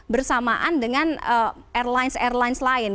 bersamaan dengan airlines airlines lain